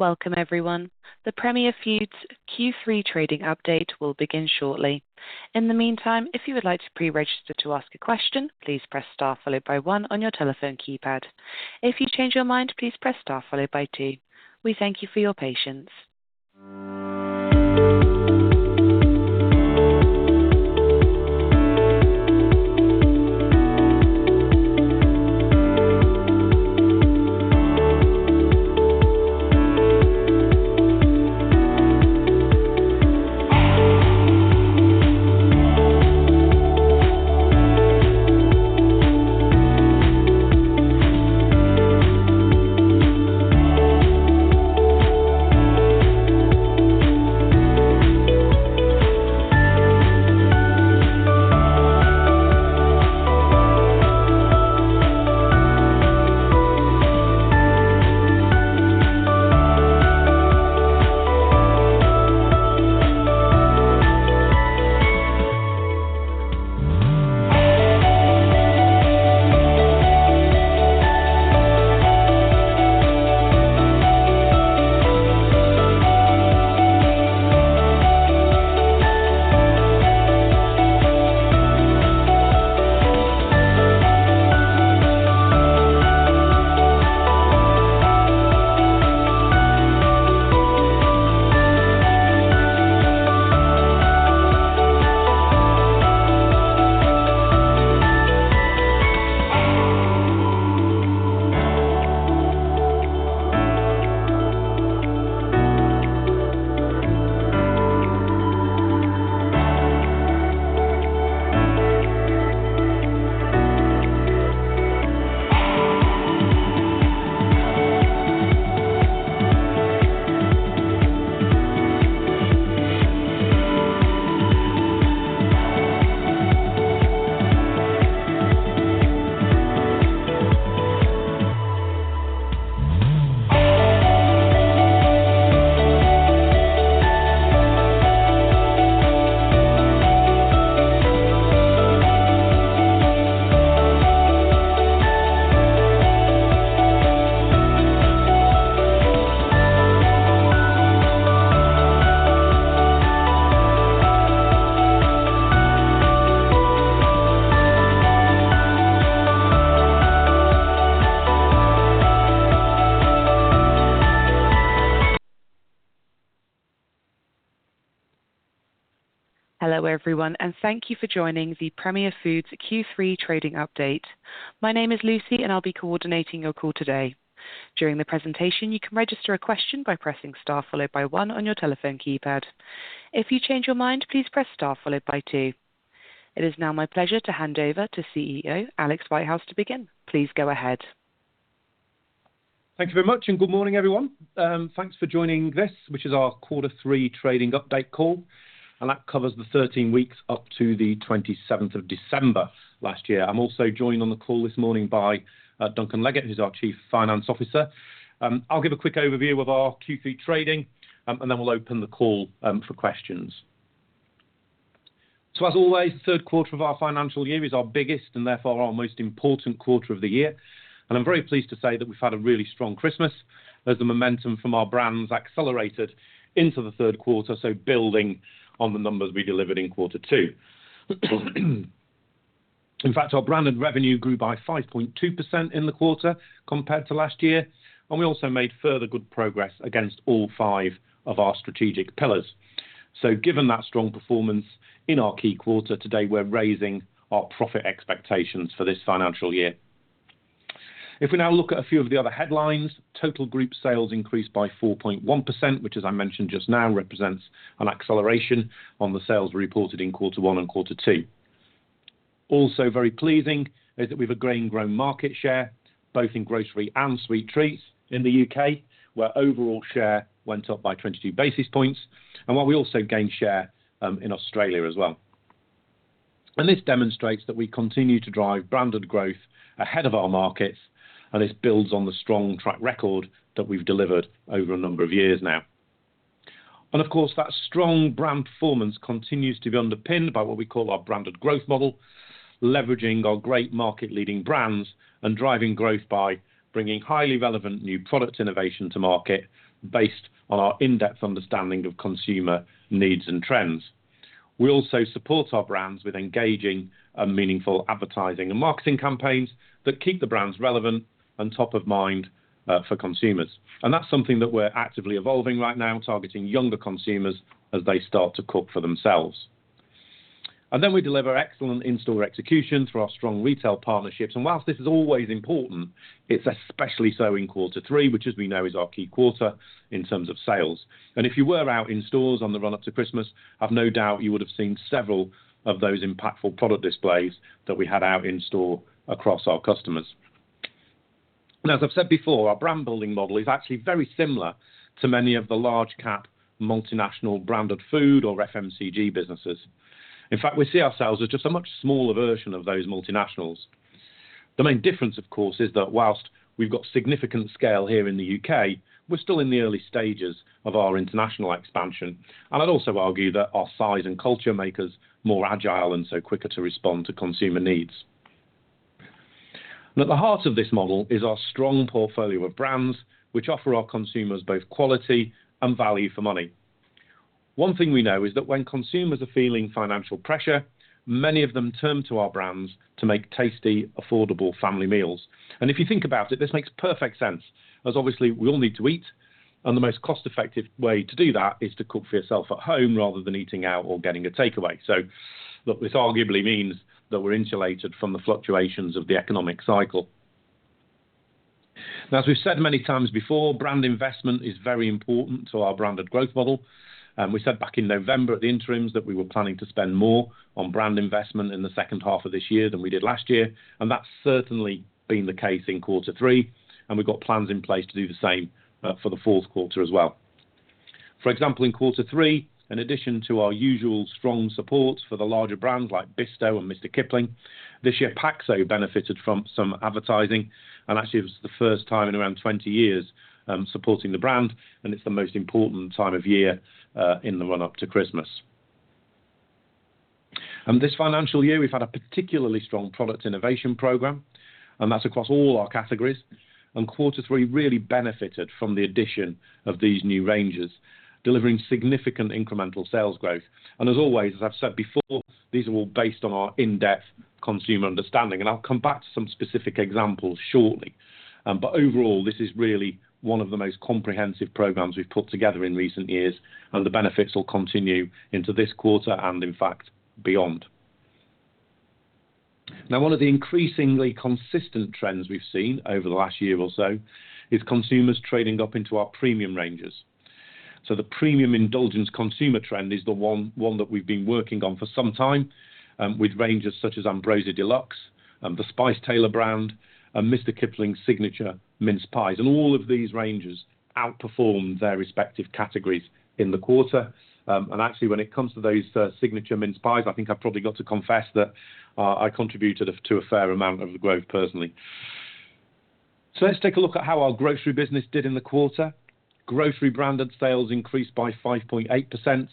Welcome, everyone. The Premier Foods Q3 trading update will begin shortly. In the meantime, if you would like to pre-register to ask a question, please press star followed by one on your telephone keypad. If you change your mind, please press star followed by two. We thank you for your patience. Hello, everyone, and thank you for joining the Premier Foods Q3 trading update. My name is Lucy, and I'll be coordinating your call today. During the presentation, you can register a question by pressing star followed by one on your telephone keypad. If you change your mind, please press star followed by two. It is now my pleasure to hand over to CEO Alex Whitehouse to begin. Please go ahead. Thank you very much, and good morning, everyone. Thanks for joining this, which is our quarter three trading update call, and that covers the 13 weeks up to the 27th of December last year. I'm also joined on the call this morning by Duncan Leggett, who's our Chief Financial Officer. I'll give a quick overview of our Q3 trading, and then we'll open the call for questions. So, as always, the third quarter of our financial year is our biggest and therefore our most important quarter of the year. And I'm very pleased to say that we've had a really strong Christmas as the momentum from our brands accelerated into the third quarter, so building on the numbers we delivered in quarter two. In fact, our branded revenue grew by 5.2% in the quarter compared to last year, and we also made further good progress against all five of our strategic pillars. So, given that strong performance in our key quarter, today we're raising our profit expectations for this financial year. If we now look at a few of the other headlines, total group sales increased by 4.1%, which, as I mentioned just now, represents an acceleration on the sales reported in quarter one and quarter two. Also, very pleasing is that we've again grown market share, both in grocery and sweet treats in the UK, where overall share went up by 22 basis points, and we also gained share in Australia as well. And this demonstrates that we continue to drive branded growth ahead of our markets, and this builds on the strong track record that we've delivered over a number of years now. And, of course, that strong brand performance continues to be underpinned by what we call our branded growth model, leveraging our great market-leading brands and driving growth by bringing highly relevant new product innovation to market based on our in-depth understanding of consumer needs and trends. We also support our brands with engaging and meaningful advertising and marketing campaigns that keep the brands relevant and top of mind for consumers. And that's something that we're actively evolving right now, targeting younger consumers as they start to cook for themselves. And then we deliver excellent in-store execution through our strong retail partnerships. And whilst this is always important, it's especially so in quarter three, which, as we know, is our key quarter in terms of sales. And if you were out in stores on the run-up to Christmas, I've no doubt you would have seen several of those impactful product displays that we had out in store across our customers. And as I've said before, our brand building model is actually very similar to many of the large-cap multinational branded food or FMCG businesses. In fact, we see ourselves as just a much smaller version of those multinationals. The main difference, of course, is that whilst we've got significant scale here in the UK, we're still in the early stages of our international expansion. And I'd also argue that our size and culture make us more agile and so quicker to respond to consumer needs. And at the heart of this model is our strong portfolio of brands, which offer our consumers both quality and value for money. One thing we know is that when consumers are feeling financial pressure, many of them turn to our brands to make tasty, affordable family meals. And if you think about it, this makes perfect sense, as obviously we all need to eat, and the most cost-effective way to do that is to cook for yourself at home rather than eating out or getting a takeaway. So, look, this arguably means that we're insulated from the fluctuations of the economic cycle. Now, as we've said many times before, brand investment is very important to our branded growth model. We said back in November at the interims that we were planning to spend more on brand investment in the second half of this year than we did last year, and that's certainly been the case in quarter three, and we've got plans in place to do the same for the fourth quarter as well. For example, in quarter three, in addition to our usual strong support for the larger brands like Bisto and Mr. Kipling, this year, Paxo benefited from some advertising and actually was the first time in around 20 years supporting the brand, and it's the most important time of year in the run-up to Christmas, and this financial year, we've had a particularly strong product innovation program, and that's across all our categories, and quarter three really benefited from the addition of these new ranges, delivering significant incremental sales growth. And as always, as I've said before, these are all based on our in-depth consumer understanding, and I'll come back to some specific examples shortly. But overall, this is really one of the most comprehensive programs we've put together in recent years, and the benefits will continue into this quarter and, in fact, beyond. Now, one of the increasingly consistent trends we've seen over the last year or so is consumers trading up into our premium ranges. So the premium indulgence consumer trend is the one that we've been working on for some time with ranges such as Ambrosia Deluxe, The Spice Tailor brand, and Mr. Kipling's Signature Mince Pies. And all of these ranges outperformed their respective categories in the quarter. And actually, when it comes to those Signature Mince Pies, I think I've probably got to confess that I contributed to a fair amount of the growth personally. So let's take a look at how our grocery business did in the quarter. Grocery branded sales increased by 5.8%,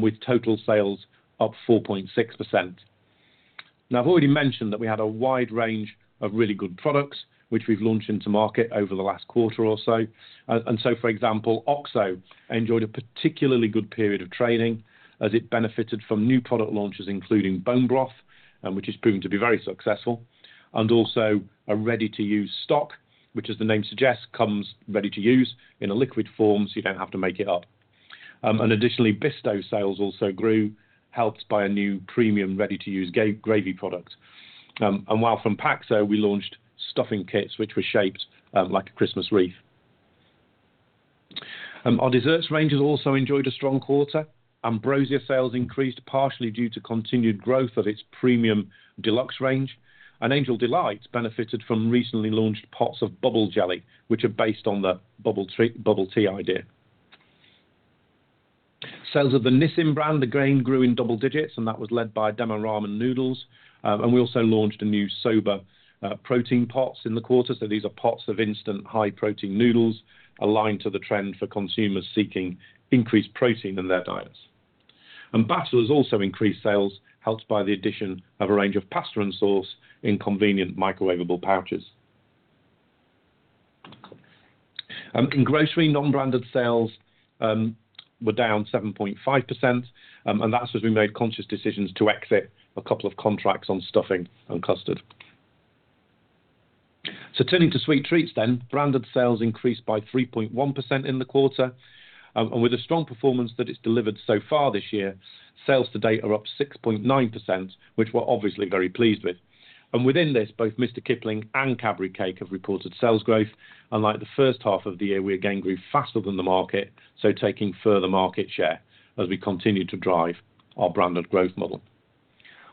with total sales up 4.6%. Now, I've already mentioned that we had a wide range of really good products, which we've launched into market over the last quarter or so. And so, for example, Oxo enjoyed a particularly good period of trading as it benefited from new product launches, including Bone Broth, which is proven to be very successful, and also a ready-to-use stock, which, as the name suggests, comes ready-to-use in a liquid form, so you don't have to make it up. And additionally, Bisto's sales also grew, helped by a new premium ready-to-use gravy product. And while from Paxo, we launched stuffing kits, which were shaped like a Christmas wreath. Our desserts ranges also enjoyed a strong quarter. Ambrosia sales increased partially due to continued growth of its premium deluxe range, and Angel Delight benefited from recently launched pots of Bubble Jelly, which are based on the bubble tea idea. Sales of the Nissin brand, the range grew in double digits, and that was led by Demae Ramen Noodles, and we also launched Soba protein pots in the quarter, so these are pots of instant high-protein noodles aligned to the trend for consumers seeking increased protein in their diets, and Batchelors also increased sales, helped by the addition of a range of pasta and sauce in convenient microwavable pouches. In grocery, non-branded sales were down 7.5%, and that's as we made conscious decisions to exit a couple of contracts on stuffing and custard, so turning to sweet treats then, branded sales increased by 3.1% in the quarter. And with the strong performance that it's delivered so far this year, sales to date are up 6.9%, which we're obviously very pleased with. And within this, both Mr. Kipling and Cadbury Cake have reported sales growth. And like the first half of the year, we again grew faster than the market, so taking further market share as we continue to drive our branded growth model.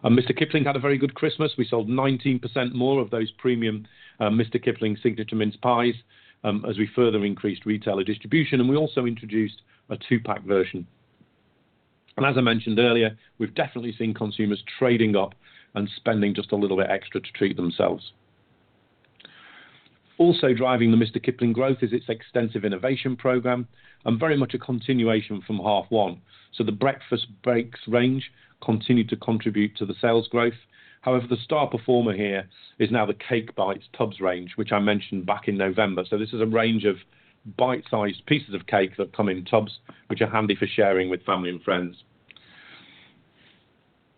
And Mr. Kipling had a very good Christmas. We sold 19% more of those premium Mr. Kipling Signature Mince Pies as we further increased retailer distribution, and we also introduced a two-pack version. And as I mentioned earlier, we've definitely seen consumers trading up and spending just a little bit extra to treat themselves. Also driving the Mr. Kipling growth is its extensive innovation program and very much a continuation from half one. So the Breakfast Breaks range continued to contribute to the sales growth. However, the star performer here is now the Cake Bites tubs range, which I mentioned back in November. So this is a range of bite-sized pieces of cake that come in tubs, which are handy for sharing with family and friends.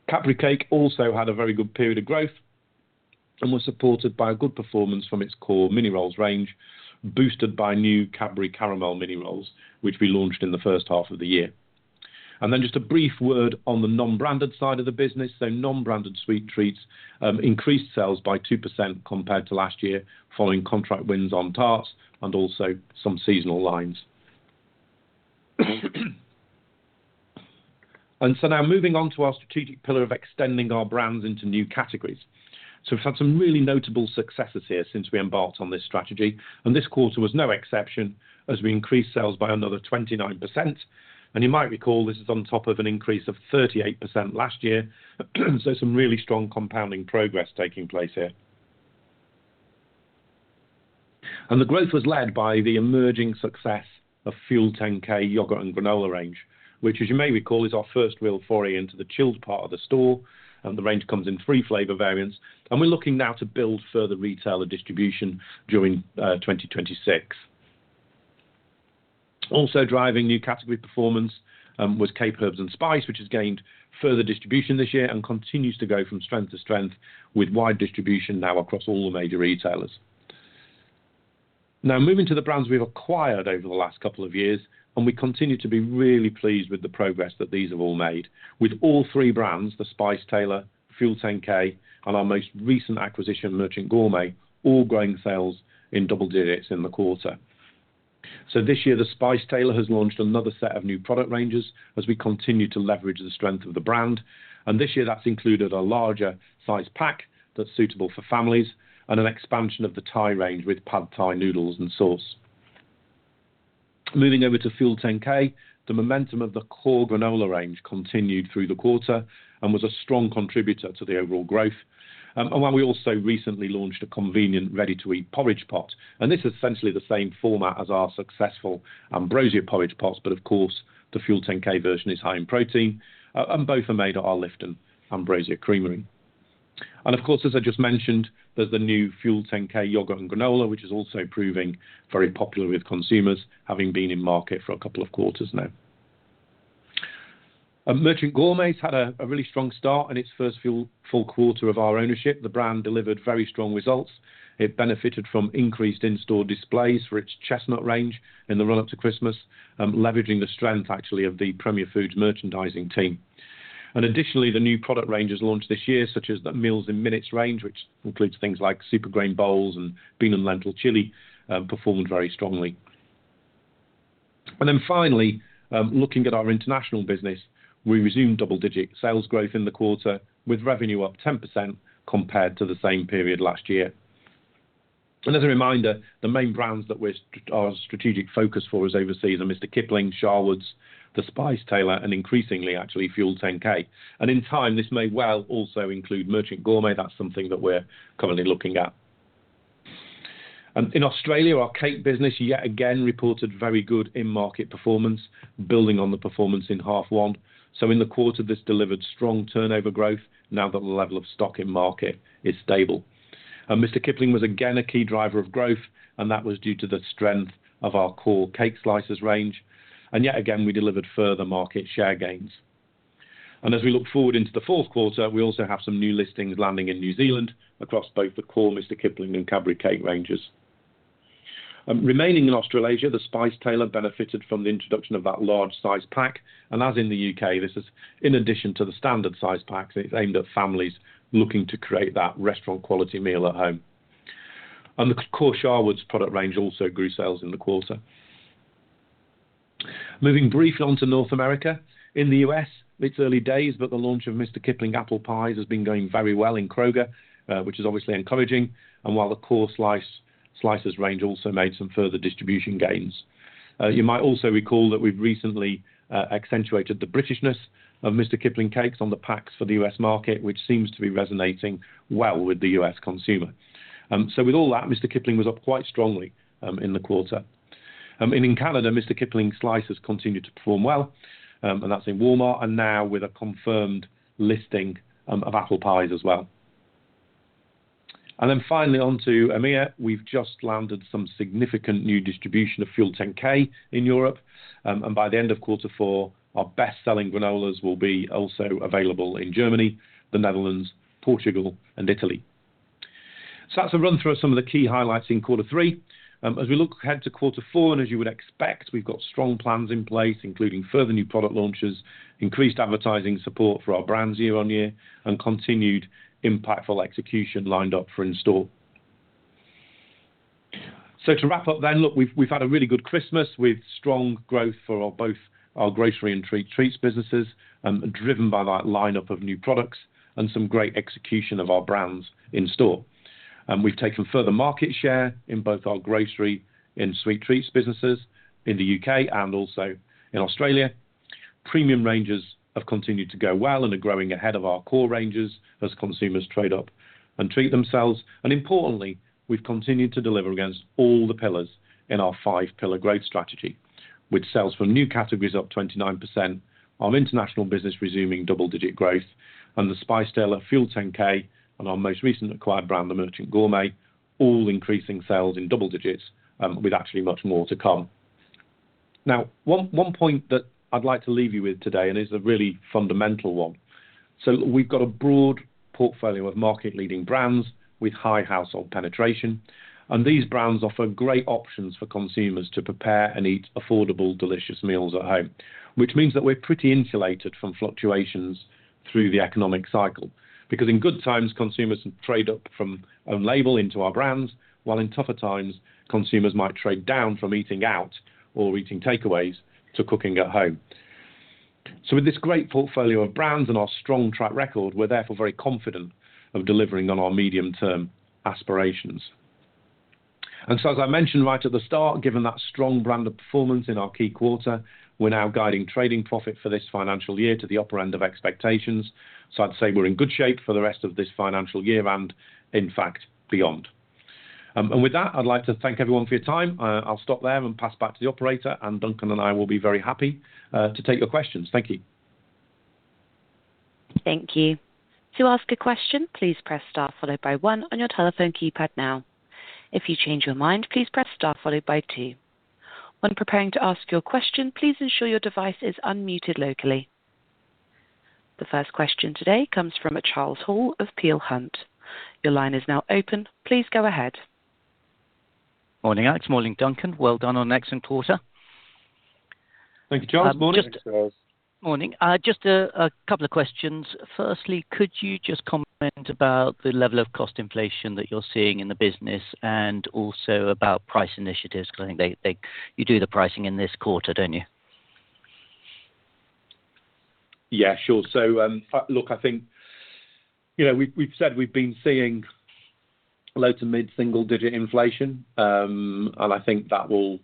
Cadbury Cake also had a very good period of growth and was supported by a good performance from its core Mini Rolls range, boosted by Cadbury Caramel Mini Rolls, which we launched in the first half of the year. And then just a brief word on the non-branded side of the business. So non-branded sweet treats increased sales by 2% compared to last year following contract wins on tarts and also some seasonal lines. And so now moving on to our strategic pillar of extending our brands into new categories. So we've had some really notable successes here since we embarked on this strategy, and this quarter was no exception as we increased sales by another 29%. And you might recall this is on top of an increase of 38% last year. So some really strong compounding progress taking place here. And the growth was led by the emerging success of FUEL10K Yogurt and Granola range, which, as you may recall, is our first real foray into the chilled part of the store. And the range comes in three flavor variants, and we're looking now to build further retailer distribution during 2026. Also driving new category performance was Cape Herb & Spice, which has gained further distribution this year and continues to go from strength to strength with wide distribution now across all the major retailers. Now moving to the brands we've acquired over the last couple of years, and we continue to be really pleased with the progress that these have all made, with all three brands, The Spice Tailor, FUEL10K, and our most recent acquisition, Merchant Gourmet, all growing sales in double digits in the quarter. This year, The Spice Tailor has launched another set of new product ranges as we continue to leverage the strength of the brand. This year, that's included a larger-sized pack that's suitable for families and an expansion of the Thai range with Pad Thai noodles and sauce. Moving over to FUEL10K, the momentum of the core granola range continued through the quarter and was a strong contributor to the overall growth. While we also recently launched a convenient ready-to-eat porridge pot, and this is essentially the same format as our successful Ambrosia porridge pots, but of course, the FUEL10K version is high in protein, and both are made at our Lifton Ambrosia Creamery. Of course, as I just mentioned, there's the new FUEL10K Yogurt and Granola, which is also proving very popular with consumers, having been in market for a couple of quarters now. Merchant Gourmet's had a really strong start in its first full quarter of our ownership. The brand delivered very strong results. It benefited from increased in-store displays for its chestnut range in the run-up to Christmas, leveraging the strength actually of the Premier Foods merchandising team. And additionally, the new product ranges launched this year, such as the Meals in Minutes range, which includes things like super grain bowls and Bean and Lentil Chilli, performed very strongly. And then finally, looking at our international business, we resumed double-digit sales growth in the quarter with revenue up 10% compared to the same period last year. And as a reminder, the main brands that we're our strategic focus for is overseas are Mr. Kipling, Sharwood's, The Spice Tailor, and increasingly actually FUEL10K. And in time, this may well also include Merchant Gourmet. That's something that we're currently looking at. And in Australia, our cake business yet again reported very good in-market performance, building on the performance in half one. So in the quarter, this delivered strong turnover growth now that the level of stock in market is stable. And Mr. Kipling was again a key driver of growth, and that was due to the strength of our core cake slices range. Yet again, we delivered further market share gains. As we look forward into the fourth quarter, we also have some new listings landing in New Zealand across both the core Mr. Kipling and Cadbury Cake ranges. Remaining in Australasia, The Spice Tailor benefited from the introduction of that large-sized pack. As in the UK, this is in addition to the standard-sized packs. It's aimed at families looking to create that restaurant-quality meal at home. The core Sharwood's product range also grew sales in the quarter. Moving briefly on to North America. In the US, it's early days, but the launch of Mr. Kipling apple pies has been going very well in Kroger, which is obviously encouraging. And while the core slices range also made some further distribution gains, you might also recall that we've recently accentuated the Britishness of Mr. Kipling cakes on the packs for the U.S. market, which seems to be resonating well with the U.S. consumer. So with all that, Mr. Kipling was up quite strongly in the quarter. And in Canada, Mr. Kipling slices continued to perform well, and that's in Walmart and now with a confirmed listing of apple pies as well. And then finally on to EMEA, we've just landed some significant new distribution of FUEL10K in Europe. And by the end of quarter four, our best-selling granolas will be also available in Germany, the Netherlands, Portugal, and Italy. So that's a run through of some of the key highlights in quarter three. As we look ahead to quarter four, and as you would expect, we've got strong plans in place, including further new product launches, increased advertising support for our brands year on year, and continued impactful execution lined up for in-store, so to wrap up then, look, we've had a really good Christmas with strong growth for both our grocery and sweet treats businesses, driven by that lineup of new products and some great execution of our brands in store, and we've taken further market share in both our grocery and sweet treats businesses in the U.K. and also in Australia. Premium ranges have continued to go well and are growing ahead of our core ranges as consumers trade up and treat themselves. Importantly, we've continued to deliver against all the pillars in our five-pillar growth strategy, with sales from new categories up 29%, our international business resuming double-digit growth, and The Spice Tailor, FUEL10K, and our most recent acquired brand, the Merchant Gourmet, all increasing sales in double digits, with actually much more to come. Now, one point that I'd like to leave you with today, and it's a really fundamental one. We've got a broad portfolio of market-leading brands with high household penetration, and these brands offer great options for consumers to prepare and eat affordable, delicious meals at home, which means that we're pretty insulated from fluctuations through the economic cycle. Because in good times, consumers trade up from own label into our brands, while in tougher times, consumers might trade down from eating out or eating takeaways to cooking at home. So with this great portfolio of brands and our strong track record, we're therefore very confident of delivering on our medium-term aspirations. And so, as I mentioned right at the start, given that strong branded performance in our key quarter, we're now guiding trading profit for this financial year to the upper end of expectations. So I'd say we're in good shape for the rest of this financial year and, in fact, beyond. And with that, I'd like to thank everyone for your time. I'll stop there and pass back to the operator, and Duncan and I will be very happy to take your questions. Thank you. Thank you. To ask a question, please press star followed by one on your telephone keypad now. If you change your mind, please press star followed by two. When preparing to ask your question, please ensure your device is unmuted locally. The first question today comes from Charles Hall of Peel Hunt. Your line is now open. Please go ahead. Morning, Alex. Morning, Duncan. Well done on an excellent quarter. Thank you, Charles. Morning. Just a couple of questions. Firstly, could you just comment about the level of cost inflation that you're seeing in the business and also about price initiatives? Because I think you do the pricing in this quarter, don't you? Yeah, sure. So look, I think we've said we've been seeing low- to mid-single-digit inflation, and I think that will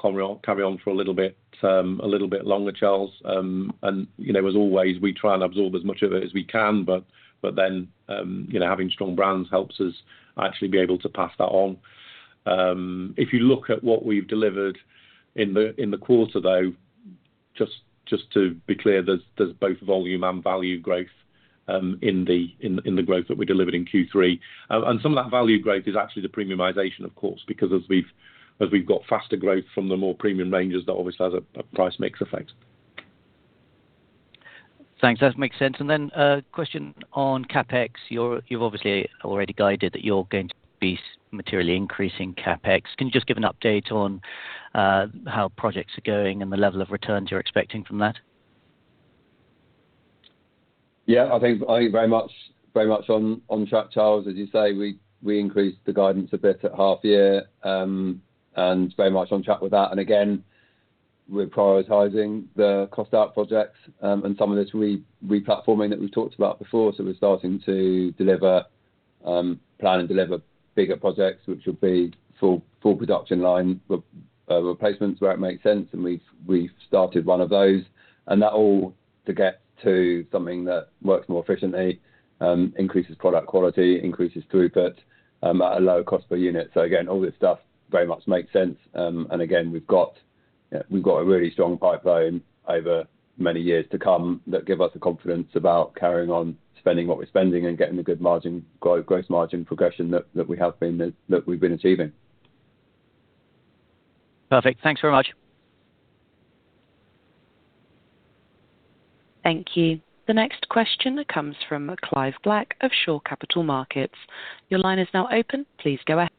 carry on for a little bit longer, Charles. And as always, we try and absorb as much of it as we can, but then having strong brands helps us actually be able to pass that on. If you look at what we've delivered in the quarter, though, just to be clear, there's both volume and value growth in the growth that we delivered in Q3. And some of that value growth is actually the premiumization, of course, because as we've got faster growth from the more premium ranges, that obviously has a price mix effect. Thanks. That makes sense. And then a question on CAPEX. You've obviously already guided that you're going to be materially increasing CAPEX. Can you just give an update on how projects are going and the level of returns you're expecting from that? Yeah, I think very much on track, Charles. As you say, we increased the guidance a bit at half year and very much on track with that. And again, we're prioritizing the cost out projects and some of this replatforming that we've talked about before. So we're starting to plan and deliver bigger projects, which will be full production line replacements where it makes sense. And we've started one of those. And that all to get to something that works more efficiently, increases product quality, increases throughput at a lower cost per unit. So again, all this stuff very much makes sense. And again, we've got a really strong pipeline over many years to come that gives us the confidence about carrying on spending what we're spending and getting a good margin growth, gross margin progression that we have been achieving. Perfect. Thanks very much. Thank you. The next question comes from Clive Black of Shore Capital Markets. Your line is now open. Please go ahead.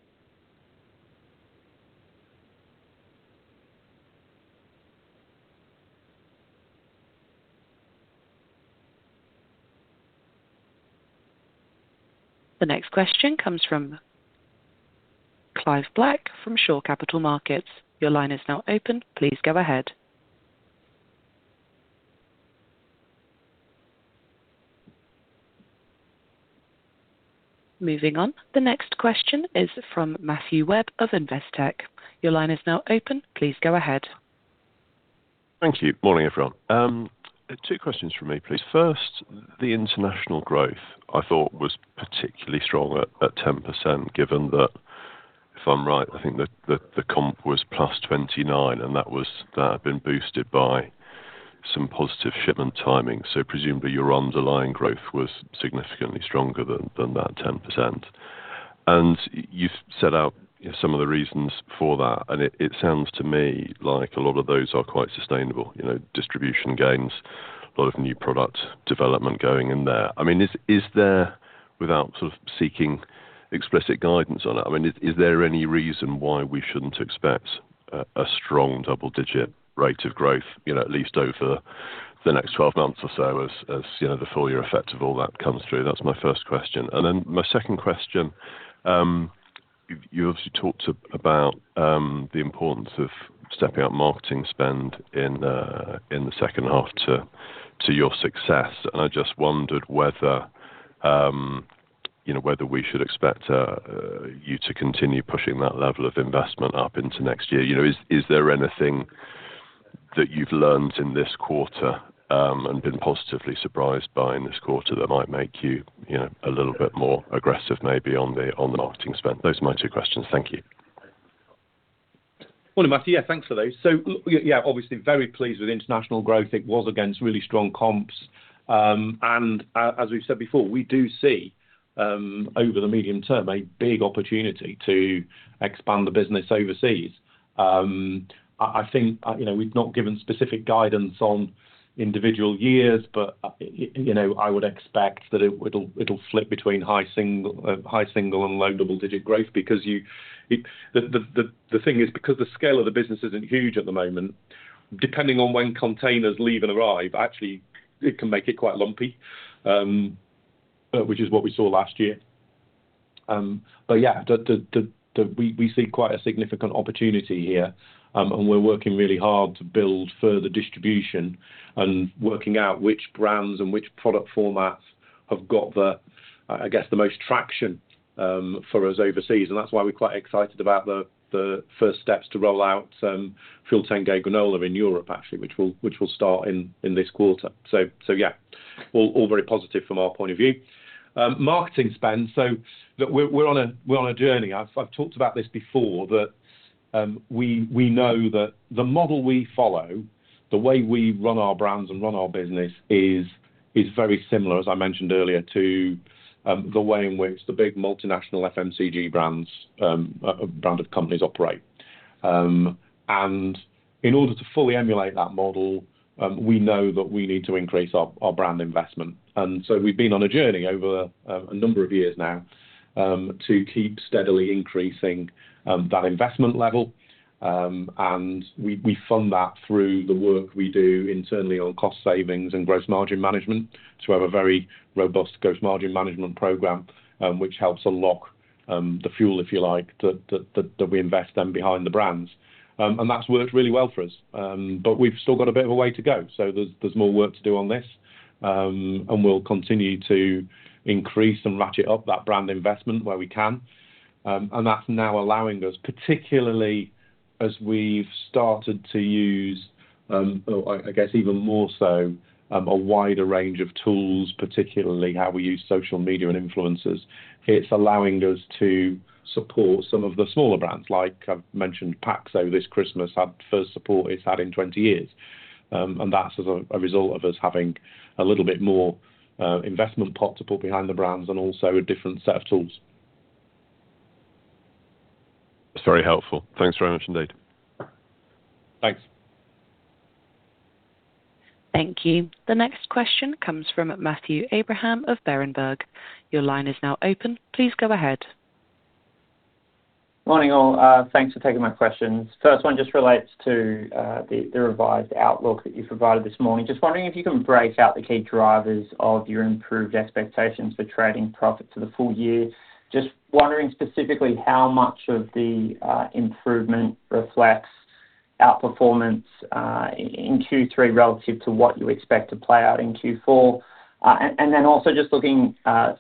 Moving on, the next question is from Matthew Webb of Investec. Your line is now open. Please go ahead. Thank you. Morning, everyone. Two questions for me, please. First, the international growth I thought was particularly strong at 10%, given that, if I'm right, I think the comp was plus 29%, and that had been boosted by some positive shipment timing. So presumably, your underlying growth was significantly stronger than that 10%. And you've set out some of the reasons for that. And it sounds to me like a lot of those are quite sustainable, distribution gains, a lot of new product development going in there. I mean, is there, without sort of seeking explicit guidance on it, I mean, is there any reason why we shouldn't expect a strong double-digit rate of growth, at least over the next 12 months or so, as the full year effect of all that comes through? That's my first question. And then my second question, you obviously talked about the importance of stepping up marketing spend in the second half to your success. And I just wondered whether we should expect you to continue pushing that level of investment up into next year. Is there anything that you've learned in this quarter and been positively surprised by in this quarter that might make you a little bit more aggressive, maybe, on the marketing spend? Those are my two questions. Thank you. Morning, Matthew. Yeah, thanks for those. So yeah, obviously very pleased with international growth. It was against really strong comps, and as we've said before, we do see over the medium term a big opportunity to expand the business overseas. I think we've not given specific guidance on individual years, but I would expect that it'll flip between high single and low double-digit growth because the thing is, because the scale of the business isn't huge at the moment, depending on when containers leave and arrive, actually it can make it quite lumpy, which is what we saw last year. But yeah, we see quite a significant opportunity here, and we're working really hard to build further distribution and working out which brands and which product formats have got the, I guess, most traction for us overseas. and that's why we're quite excited about the first steps to roll out FUEL10K granola in Europe, actually, which will start in this quarter. So yeah, all very positive from our point of view. Marketing spend. So we're on a journey. I've talked about this before, that we know that the model we follow, the way we run our brands and run our business is very similar, as I mentioned earlier, to the way in which the big multinational FMCG branded companies operate, and in order to fully emulate that model, we know that we need to increase our brand investment, and so we've been on a journey over a number of years now to keep steadily increasing that investment level. We fund that through the work we do internally on cost savings and gross margin management to have a very robust gross margin management program, which helps unlock the fuel, if you like, that we invest then behind the brands. That's worked really well for us. We've still got a bit of a way to go. There's more work to do on this. We'll continue to increase and ratchet up that brand investment where we can. That's now allowing us, particularly as we've started to use, I guess, even more so a wider range of tools, particularly how we use social media and influencers. It's allowing us to support some of the smaller brands, like I've mentioned. Paxo this Christmas had first support it's had in 20 years. That's as a result of us having a little bit more investment pot to put behind the brands and also a different set of tools. It's very helpful. Thanks very much indeed. Thanks. Thank you. The next question comes from Matthew Abraham of Berenberg. Your line is now open. Please go ahead. Morning, all. Thanks for taking my questions. First one just relates to the revised outlook that you've provided this morning. Just wondering if you can break out the key drivers of your improved expectations for trading profits for the full year. Just wondering specifically how much of the improvement reflects outperformance in Q3 relative to what you expect to play out in Q4. And then also just looking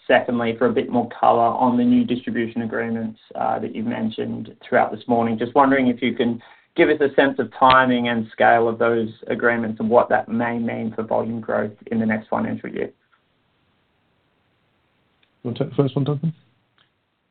secondly for a bit more color on the new distribution agreements that you've mentioned throughout this morning. Just wondering if you can give us a sense of timing and scale of those agreements and what that may mean for volume growth in the next financial year. Want to take the first one, Duncan?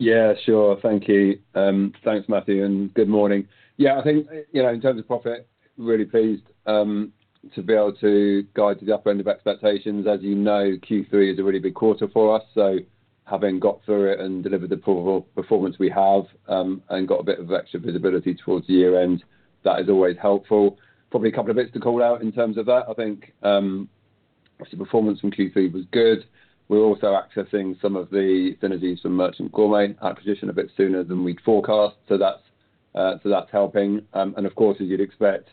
Yeah, sure. Thank you. Thanks, Matthew. And good morning. Yeah, I think in terms of profit, really pleased to be able to guide to the upper end of expectations. As you know, Q3 is a really big quarter for us. So having got through it and delivered the performance we have and got a bit of extra visibility towards year-end, that is always helpful. Probably a couple of bits to call out in terms of that. I think obviously performance from Q3 was good. We're also accessing some of the synergies from Merchant Gourmet acquisition a bit sooner than we'd forecast. So that's helping. And of course, as you'd expect,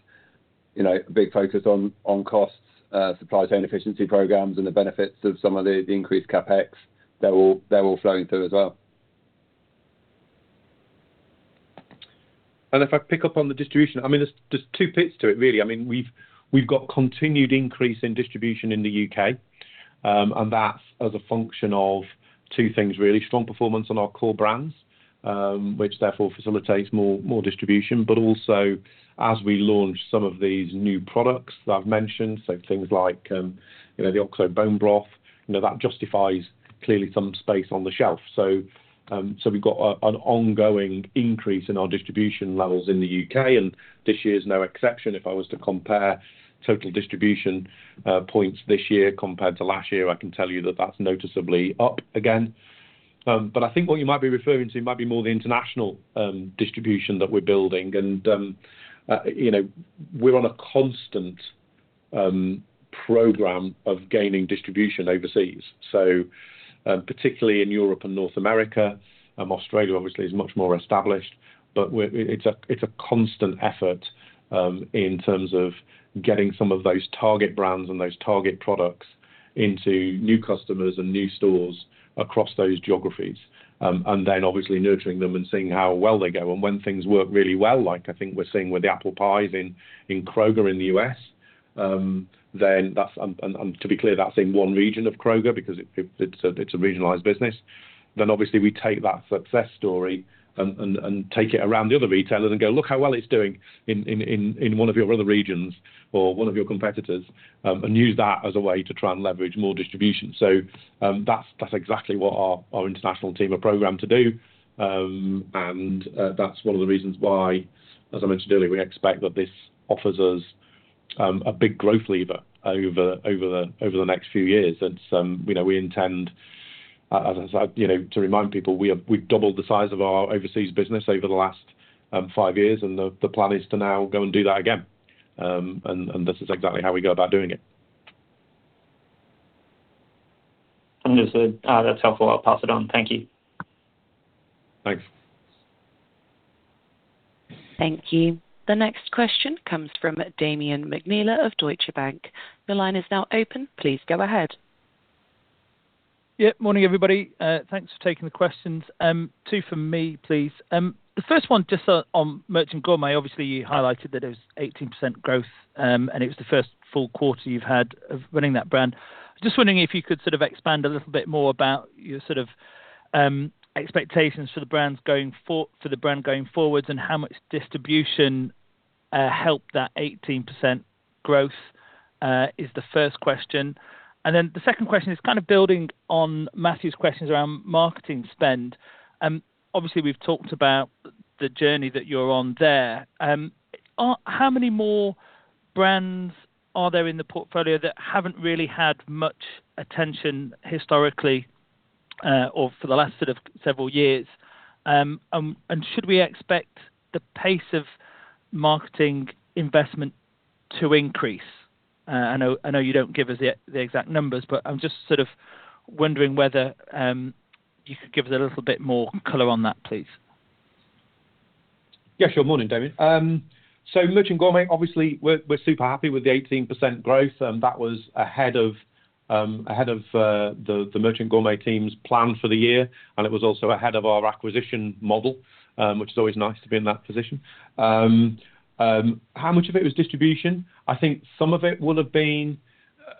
a big focus on costs, supply chain efficiency programs, and the benefits of some of the increased CAPEX, they're all flowing through as well. If I pick up on the distribution, I mean, there's two bits to it, really. I mean, we've got continued increase in distribution in the U.K. That's as a function of two things, really. Strong performance on our core brands, which therefore facilitates more distribution. Also, as we launch some of these new products that I've mentioned, so things like the Oxo Bone Broth, that justifies clearly some space on the shelf. We've got an ongoing increase in our distribution levels in the U.K. This year is no exception. If I was to compare total distribution points this year compared to last year, I can tell you that that's noticeably up again. I think what you might be referring to might be more the international distribution that we're building. We're on a constant program of gaining distribution overseas. So particularly in Europe and North America, Australia, obviously, is much more established, but it's a constant effort in terms of getting some of those target brands and those target products into new customers and new stores across those geographies. And then obviously nurturing them and seeing how well they go, and when things work really well, like I think we're seeing with the apple pies in Kroger in the US, then that's and to be clear, that's in one region of Kroger because it's a regionalized business. Then obviously we take that success story and take it around the other retailers and go, "Look how well it's doing in one of your other regions or one of your competitors," and use that as a way to try and leverage more distribution, so that's exactly what our international team are programmed to do. And that's one of the reasons why, as I mentioned earlier, we expect that this offers us a big growth lever over the next few years. And we intend, as I said, to remind people we've doubled the size of our overseas business over the last five years. And the plan is to now go and do that again. And this is exactly how we go about doing it. As I said, that's helpful. I'll pass it on. Thank you. Thanks. Thank you. The next question comes from Damian McNeela of Deutsche Bank. The line is now open. Please go ahead. Yeah. Morning, everybody. Thanks for taking the questions. Two from me, please. The first one just on Merchant Gourmet, obviously you highlighted that it was 18% growth, and it was the first full quarter you've had of running that brand. Just wondering if you could sort of expand a little bit more about your sort of expectations for the brand going forwards and how much distribution helped that 18% growth is the first question. And then the second question is kind of building on Matthew's questions around marketing spend. Obviously, we've talked about the journey that you're on there. How many more brands are there in the portfolio that haven't really had much attention historically or for the last sort of several years? And should we expect the pace of marketing investment to increase? I know you don't give us the exact numbers, but I'm just sort of wondering whether you could give us a little bit more color on that, please? Yes. Sure. Morning, Damian. So Merchant Gourmet, obviously, we're super happy with the 18% growth. And that was ahead of the Merchant Gourmet team's plan for the year. And it was also ahead of our acquisition model, which is always nice to be in that position. How much of it was distribution? I think some of it will have been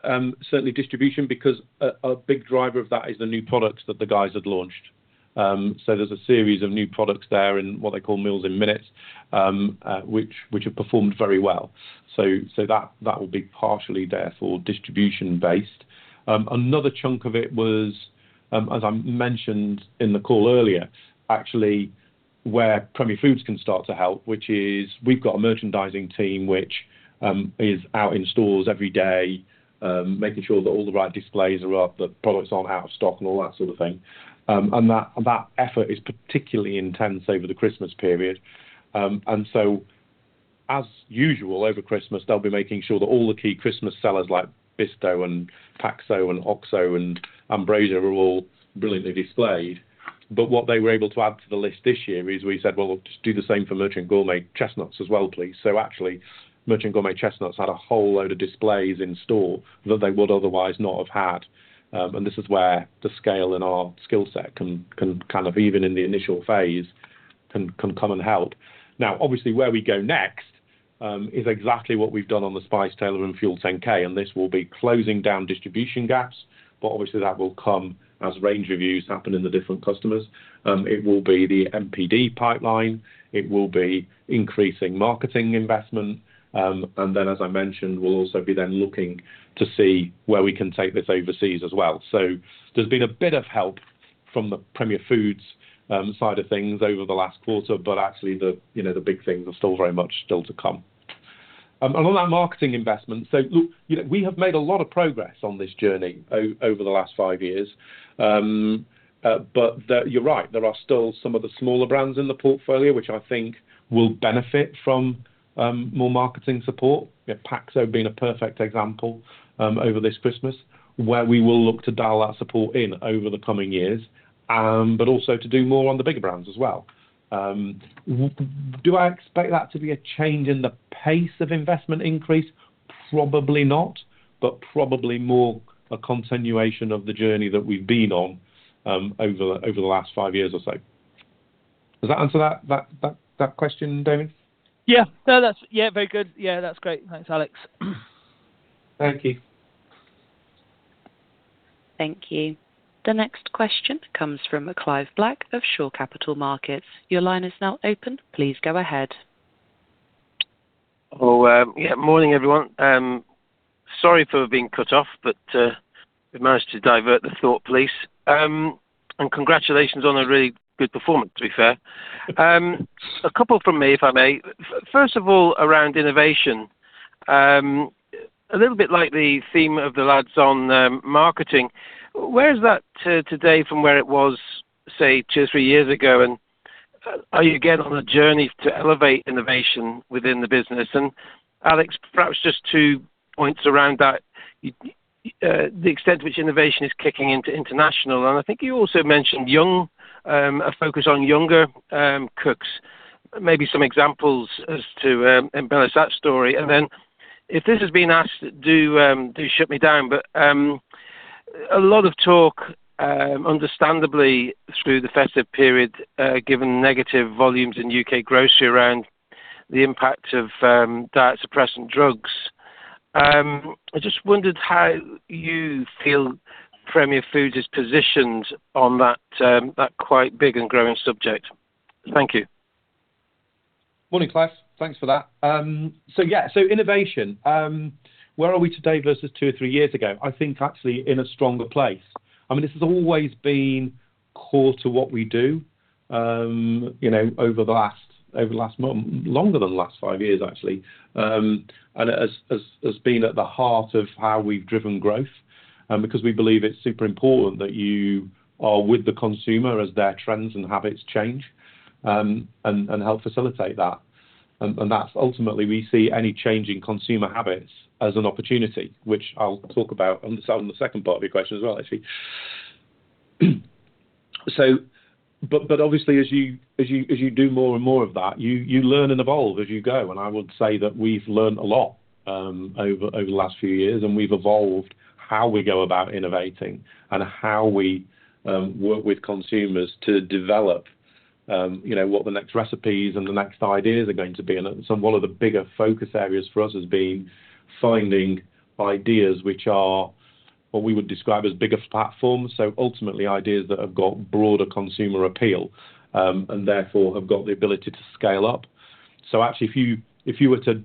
certainly distribution because a big driver of that is the new products that the guys had launched. So there's a series of new products there in what they call meals in minutes, which have performed very well. So that will be partially there for distribution-based. Another chunk of it was, as I mentioned in the call earlier, actually where Premier Foods can start to help, which is we've got a merchandising team which is out in stores every day, making sure that all the right displays are up, the products aren't out of stock, and all that sort of thing. And that effort is particularly intense over the Christmas period. And so as usual, over Christmas, they'll be making sure that all the key Christmas sellers like Bisto and Paxo and Oxo and Ambrosia are all brilliantly displayed. But what they were able to add to the list this year is we said, "Well, just do the same for Merchant Gourmet chestnuts as well, please." So actually, Merchant Gourmet chestnuts had a whole load of displays in store that they would otherwise not have had. And this is where the scale and our skill set can kind of, even in the initial phase, can come and help. Now, obviously, where we go next is exactly what we've done on The Spice Tailor and FUEL10K. And this will be closing down distribution gaps. But obviously, that will come as range reviews happen in the different customers. It will be the NPD pipeline. It will be increasing marketing investment. And then, as I mentioned, we'll also be then looking to see where we can take this overseas as well. So there's been a bit of help from the Premier Foods side of things over the last quarter. But actually, the big things are still very much still to come. And on that marketing investment, so look, we have made a lot of progress on this journey over the last five years. But you're right. There are still some of the smaller brands in the portfolio, which I think will benefit from more marketing support. Paxo being a perfect example over this Christmas, where we will look to dial that support in over the coming years, but also to do more on the bigger brands as well. Do I expect that to be a change in the pace of investment increase? Probably not, but probably more a continuation of the journey that we've been on over the last five years or so. Does that answer that question, Damian? Yeah. Yeah. Very good. Yeah. That's great. Thanks, Alex. Thank you. Thank you. The next question comes from Clive Black of Shore Capital Markets. Your line is now open. Please go ahead. Oh, yeah. Morning, everyone. Sorry for being cut off, but we've managed to divert the thought, please. And congratulations on a really good performance, to be fair. A couple from me, if I may. First of all, around innovation, a little bit like the theme of the lads on marketing. Where is that today from where it was, say, two or three years ago? And are you again on a journey to elevate innovation within the business? And Alex, perhaps just two points around that, the extent to which innovation is kicking into international. And I think you also mentioned a focus on younger cooks. Maybe some examples as to embellish that story. And then if this has been asked, do shut me down. But a lot of talk, understandably, through the festive period, given negative volumes in U.K. grocery around the impact of appetite-suppressant drugs. I just wondered how you feel Premier Foods is positioned on that quite big and growing subject. Thank you. Morning, Clive. Thanks for that. So yeah, so innovation, where are we today versus two or three years ago? I think actually in a stronger place. I mean, this has always been core to what we do over the last longer than five years, actually, and has been at the heart of how we've driven growth because we believe it's super important that you are with the consumer as their trends and habits change and help facilitate that. And that's ultimately, we see any change in consumer habits as an opportunity, which I'll talk about on the second part of your question as well, actually. But obviously, as you do more and more of that, you learn and evolve as you go. And I would say that we've learned a lot over the last few years. And we've evolved how we go about innovating and how we work with consumers to develop what the next recipes and the next ideas are going to be. And one of the bigger focus areas for us has been finding ideas which are what we would describe as bigger platforms. So ultimately, ideas that have got broader consumer appeal and therefore have got the ability to scale up. So actually, if you were to,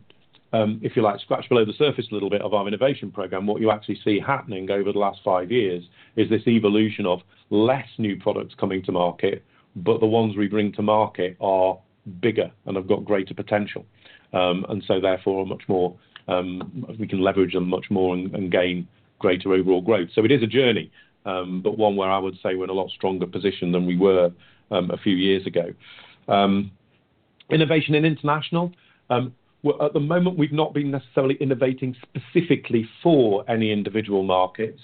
if you like, scratch below the surface a little bit of our innovation program, what you actually see happening over the last five years is this evolution of less new products coming to market, but the ones we bring to market are bigger and have got greater potential. And so therefore, we can leverage them much more and gain greater overall growth. So it is a journey, but one where I would say we're in a lot stronger position than we were a few years ago. Innovation in international, at the moment, we've not been necessarily innovating specifically for any individual markets.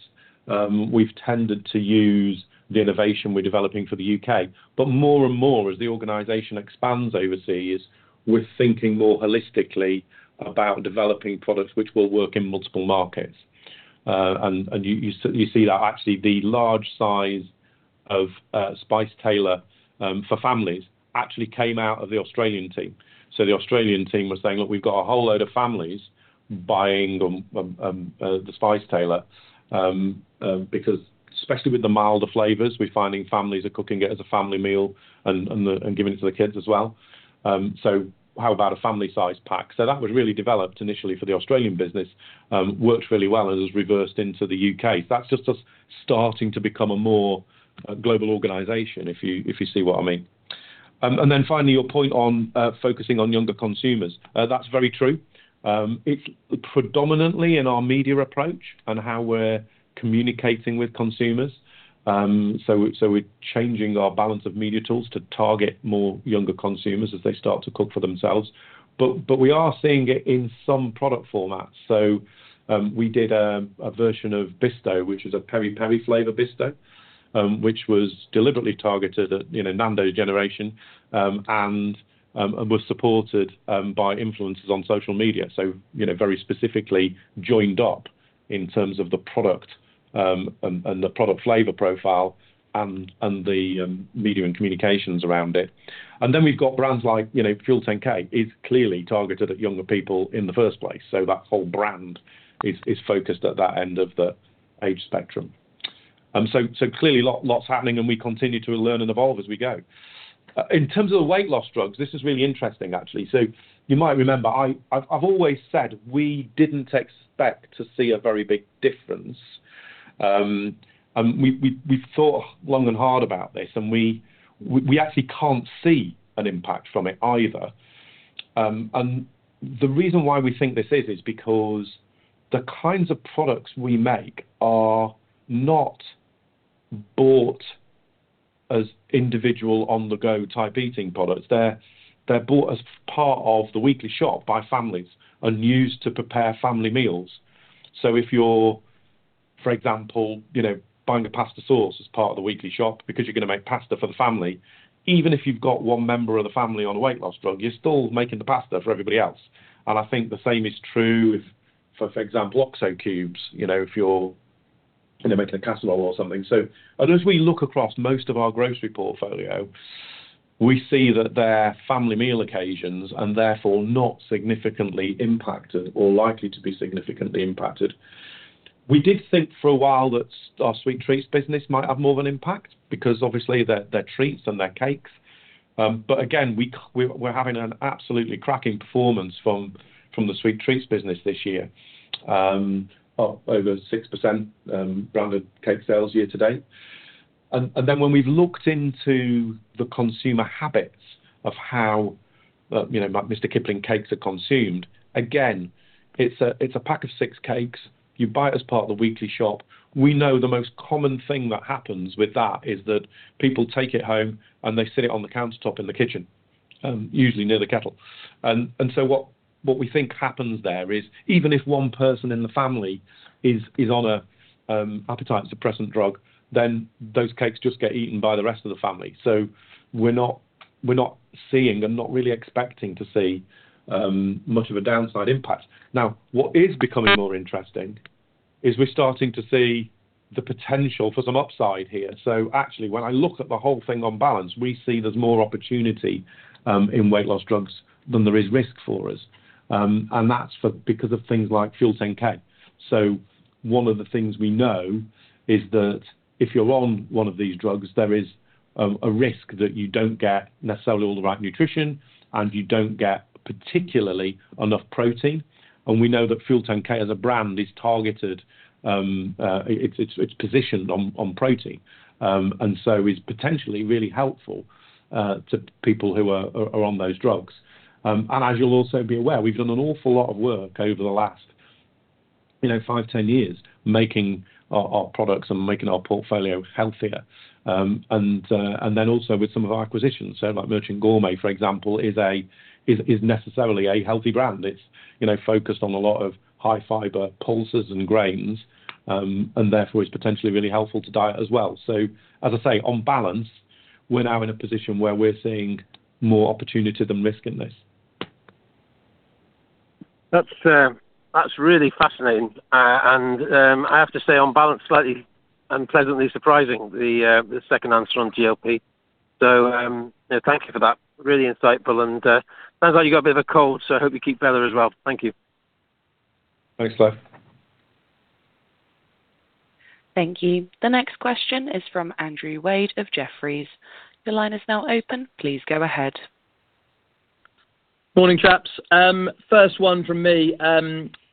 We've tended to use the innovation we're developing for the UK. But more and more, as the organization expands overseas, we're thinking more holistically about developing products which will work in multiple markets. And you see that actually the large size of Spice Tailor for families actually came out of the Australian team. So the Australian team was saying, "Look, we've got a whole load of families buying The Spice Tailor," because especially with the milder flavors, we're finding families are cooking it as a family meal and giving it to the kids as well. So how about a family-sized pack? That was really developed initially for the Australian business, worked really well, and it was reversed into the UK. That's just us starting to become a more global organization, if you see what I mean. Then finally, your point on focusing on younger consumers, that's very true. It's predominantly in our media approach and how we're communicating with consumers. We're changing our balance of media tools to target more younger consumers as they start to cook for themselves. But we are seeing it in some product formats. We did a version of Bisto, which was a peri-peri flavor Bisto, which was deliberately targeted at Nando's generation and was supported by influencers on social media. Very specifically joined up in terms of the product and the product flavor profile and the media and communications around it. And then we've got brands like FUEL10K is clearly targeted at younger people in the first place. So that whole brand is focused at that end of the age spectrum. So clearly, lots happening, and we continue to learn and evolve as we go. In terms of the weight loss drugs, this is really interesting, actually. So you might remember I've always said we didn't expect to see a very big difference. And we've thought long and hard about this, and we actually can't see an impact from it either. And the reason why we think this is, is because the kinds of products we make are not bought as individual on-the-go type eating products. They're bought as part of the weekly shop by families and used to prepare family meals. If you're, for example, buying a pasta sauce as part of the weekly shop because you're going to make pasta for the family, even if you've got one member of the family on a weight loss drug, you're still making the pasta for everybody else. I think the same is true for, for example, Oxo cubes if you're making a casserole or something. As we look across most of our grocery portfolio, we see that they're family meal occasions and therefore not significantly impacted or likely to be significantly impacted. We did think for a while that our sweet treats business might have more of an impact because obviously, they're treats and they're cakes. But again, we're having an absolutely cracking performance from the sweet treats business this year, up over 6% rounded cake sales year to date. And then, when we've looked into the consumer habits of how Mr. Kipling cakes are consumed, again, it's a pack of six cakes. You buy it as part of the weekly shop. We know the most common thing that happens with that is that people take it home, and they sit it on the countertop in the kitchen, usually near the kettle. And so what we think happens there is even if one person in the family is on an appetite-suppressant drug, then those cakes just get eaten by the rest of the family. So we're not seeing and not really expecting to see much of a downside impact. Now, what is becoming more interesting is we're starting to see the potential for some upside here. So actually, when I look at the whole thing on balance, we see there's more opportunity in weight loss drugs than there is risk for us. And that's because of things like FUEL10K. So one of the things we know is that if you're on one of these drugs, there is a risk that you don't get necessarily all the right nutrition, and you don't get particularly enough protein. And we know that FUEL10K as a brand is targeted, it's positioned on protein. And so it's potentially really helpful to people who are on those drugs. And as you'll also be aware, we've done an awful lot of work over the last five, 10 years making our products and making our portfolio healthier. And then also with some of our acquisitions. So like Merchant Gourmet, for example, is necessarily a healthy brand. It's focused on a lot of high-fiber pulses and grains, and therefore, it's potentially really helpful to diet as well. So as I say, on balance, we're now in a position where we're seeing more opportunity than risk in this. That's really fascinating. And I have to say, on balance, slightly unpleasantly surprising, the second answer on GLP. So thank you for that. Really insightful. And it sounds like you got a bit of a cold, so I hope you keep well as well. Thank you. Thanks, Clive. Thank you. The next question is from Andrew Wade of Jefferies. Your line is now open. Please go ahead. Morning, chaps. First one from me.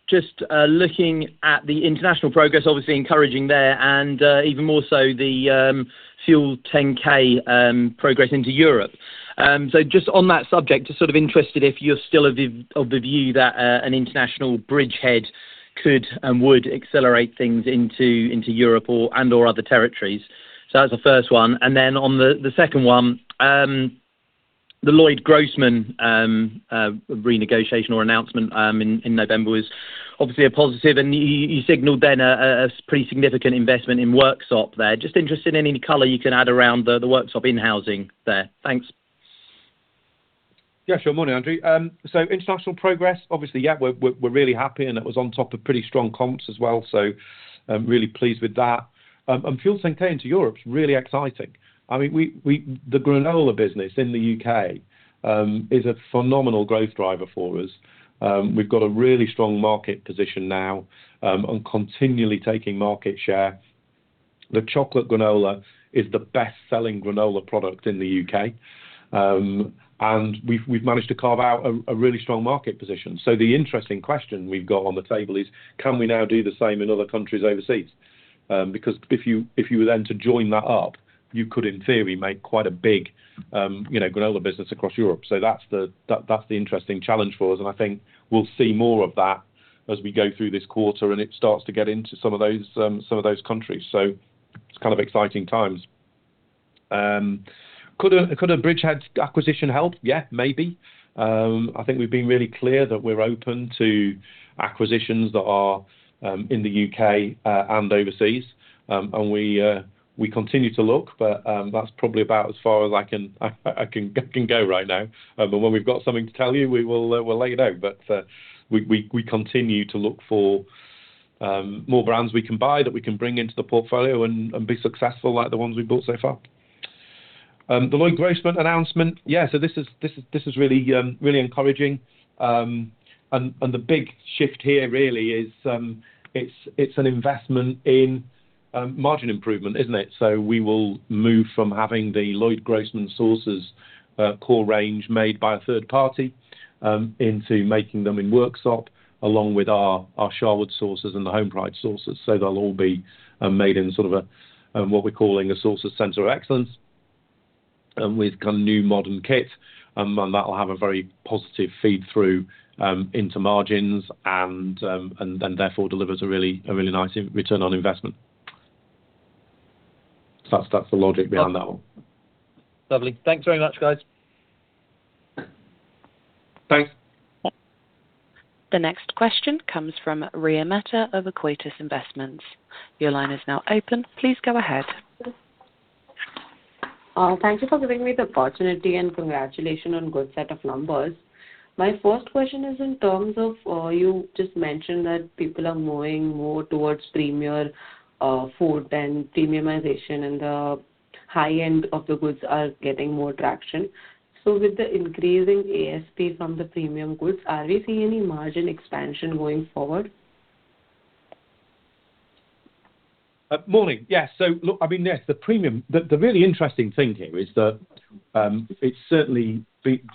Just looking at the international progress, obviously encouraging there, and even more so the FUEL10K progress into Europe. So just on that subject, just sort of interested if you're still of the view that an international bridgehead could and would accelerate things into Europe and/or other territories. So that's the first one. And then on the second one, the Loyd Grossman renegotiation or announcement in November was obviously a positive. And you signalled then a pretty significant investment in Worksop there. Just interested in any color you can add around the Worksop investment there. Thanks. Yeah. Sure. Morning, Andrew. So international progress, obviously, yeah, we're really happy. And that was on top of pretty strong comps as well. So really pleased with that. And FUEL10K into Europe is really exciting. I mean, the granola business in the UK is a phenomenal growth driver for us. We've got a really strong market position now and continually taking market share. The chocolate granola is the best-selling granola product in the UK. And we've managed to carve out a really strong market position. So the interesting question we've got on the table is, can we now do the same in other countries overseas? Because if you were then to join that up, you could, in theory, make quite a big granola business across Europe. So that's the interesting challenge for us. And I think we'll see more of that as we go through this quarter and it starts to get into some of those countries. So it's kind of exciting times. Could a bridgehead acquisition help? Yeah, maybe. I think we've been really clear that we're open to acquisitions that are in the U.K. and overseas. And we continue to look, but that's probably about as far as I can go right now. But when we've got something to tell you, we'll let you know. But we continue to look for more brands we can buy that we can bring into the portfolio and be successful like the ones we've built so far. The Loyd Grossman announcement, yeah, so this is really encouraging. And the big shift here really is it's an investment in margin improvement, isn't it? We will move from having the Loyd Grossman sauces core range made by a third party into making them in Worksop along with our Sharwood's sauces and the Homepride sauces. They will all be made in sort of what we're calling a Sauces Centre of Excellence with kind of new modern kits. That will have a very positive feed-through into margins and therefore delivers a really nice return on investment. That's the logic behind that one. Lovely. Thanks very much, guys. Thanks. The next question comes from Riya Mehta of Aequitas Investment Consultancy. Your line is now open. Please go ahead. Thank you for giving me the opportunity and congratulations on a good set of numbers. My first question is in terms of you just mentioned that people are moving more towards Premier Foods and premiumization and the high-end of the goods are getting more traction. So with the increasing ASP from the premium goods, are we seeing any margin expansion going forward? Morning. Yeah. So look, I mean, yes, the premium, the really interesting thing here is that it's certainly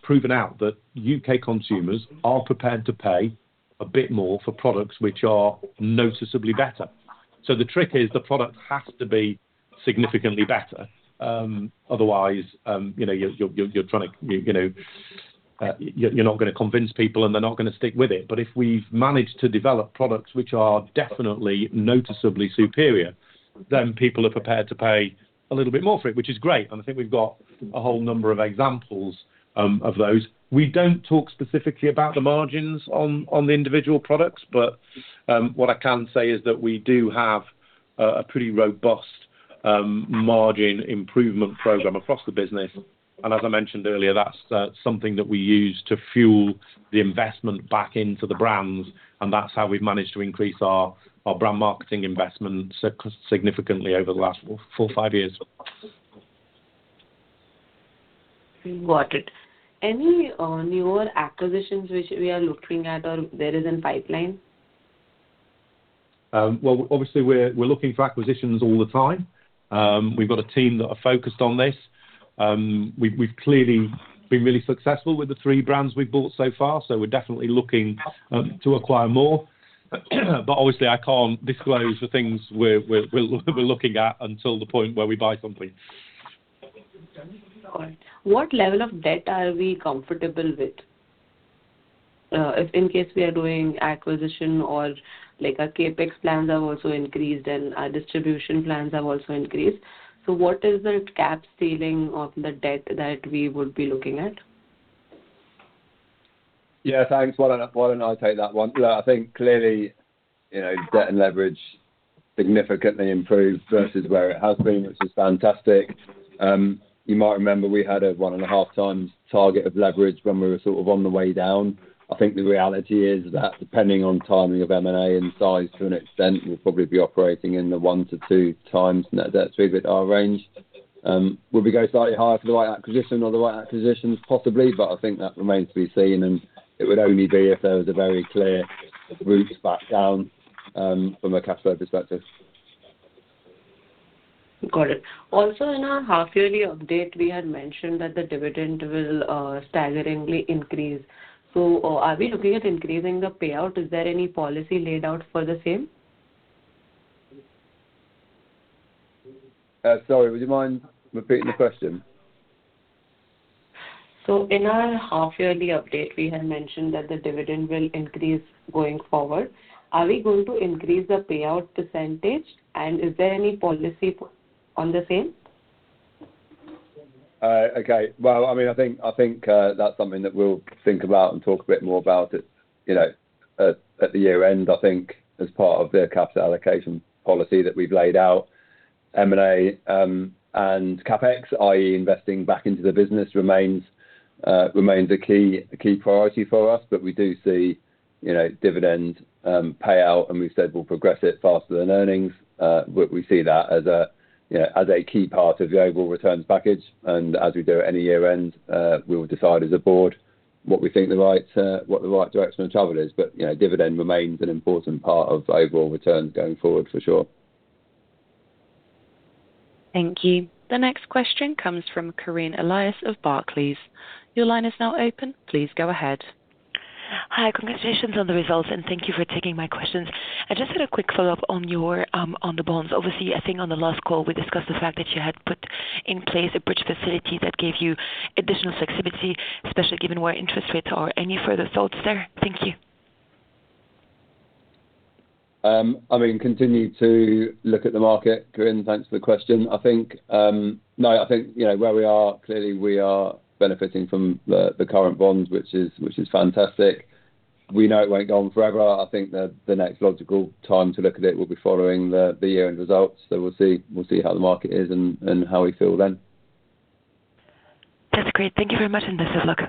proven out that UK consumers are prepared to pay a bit more for products which are noticeably better. So the trick is the product has to be significantly better. Otherwise, you're not going to convince people, and they're not going to stick with it. But if we've managed to develop products which are definitely noticeably superior, then people are prepared to pay a little bit more for it, which is great. And I think we've got a whole number of examples of those. We don't talk specifically about the margins on the individual products, but what I can say is that we do have a pretty robust margin improvement program across the business. As I mentioned earlier, that's something that we use to fuel the investment back into the brands. That's how we've managed to increase our brand marketing investment significantly over the last four or five years. Got it. Any newer acquisitions which we are looking at or there is in pipeline? Obviously, we're looking for acquisitions all the time. We've got a team that are focused on this. We've clearly been really successful with the three brands we've bought so far, so we're definitely looking to acquire more, but obviously, I can't disclose the things we're looking at until the point where we buy something. What level of debt are we comfortable with in case we are doing acquisition or a CAPEX? Plans have also increased and distribution plans have also increased? So what is the cap ceiling of the debt that we would be looking at? Yeah. Thanks. Why don't I take that one? I think clearly, debt and leverage significantly improved versus where it has been, which is fantastic. You might remember we had a one and a half times target of leverage when we were sort of on the way down. I think the reality is that depending on timing of M&A and size to an extent, we'll probably be operating in the one to two times net debt to EBITDA range. Would we go slightly higher for the right acquisition or the right acquisitions possibly? But I think that remains to be seen. And it would only be if there was a very clear route back down from a cash flow perspective. Got it. Also in our half-yearly update, we had mentioned that the dividend will staggeringly increase. So are we looking at increasing the payout? Is there any policy laid out for the same? Sorry, would you mind repeating the question? So in our half-yearly update, we had mentioned that the dividend will increase going forward. Are we going to increase the payout percentage, and is there any policy on the same? Okay. Well, I mean, I think that's something that we'll think about and talk a bit more about at the year end, I think, as part of the capital allocation policy that we've laid out. M&A and CAPEX, i.e., investing back into the business, remains a key priority for us. But we do see dividend payout, and we've said we'll progress it faster than earnings. We see that as a key part of the overall returns package. And as we do at any year end, we will decide as a board what we think the right direction of travel is. But dividend remains an important part of overall returns going forward, for sure. Thank you. The next question comes from Kareen El-Eis of Barclays. Your line is now open. Please go ahead. Hi. Congratulations on the results, and thank you for taking my questions. I just had a quick follow-up on the bonds. Obviously, I think on the last call, we discussed the fact that you had put in place a bridge facility that gave you additional flexibility, especially given where interest rates are. Any further thoughts there? Thank you. I mean, continue to look at the market, Kareen. Thanks for the question. I think, no, I think where we are, clearly, we are benefiting from the current bonds, which is fantastic. We know it won't go on forever. I think the next logical time to look at it will be following the year-end results. So we'll see how the market is and how we feel then. That's great. Thank you very much, and this is Luke.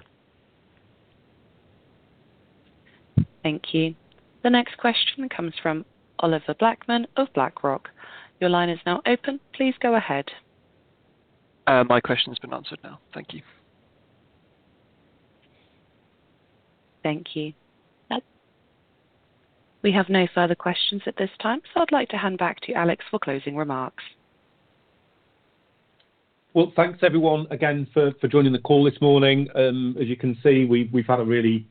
Thank you. The next question comes from Oliver Blackman of BlackRock. Your line is now open. Please go ahead. My question's been answered now. Thank you. Thank you. We have no further questions at this time, so I'd like to hand back to Alex for closing remarks. Thanks, everyone, again for joining the call this morning. As you can see, we've had a really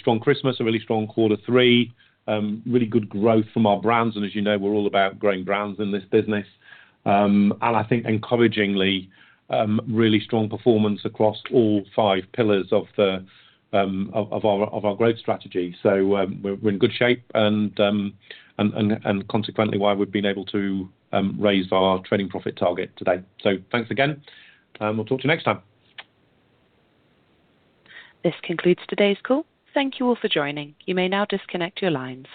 strong Christmas, a really strong quarter three, really good growth from our brands. And as you know, we're all about growing brands in this business. And I think encouragingly, really strong performance across all five pillars of our growth strategy. So we're in good shape and consequently why we've been able to raise our trading profit target today. So thanks again, and we'll talk to you next time. This concludes today's call. Thank you all for joining. You may now disconnect your lines.